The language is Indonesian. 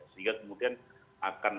sehingga kemudian akan